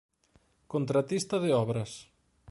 Contratista de obras.